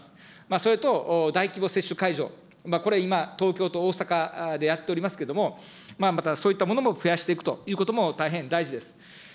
それと、大規模接種会場、これ、今、東京と大阪でやっておりますけれども、またそういったものも増やしていくということも大変大事です。